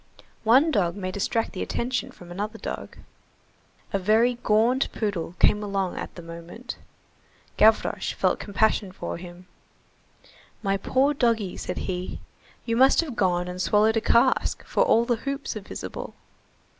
One dog may distract the attention from another dog.45 A very gaunt poodle came along at the moment. Gavroche felt compassion for him. "My poor doggy," said he, "you must have gone and swallowed a cask, for all the hoops are visible."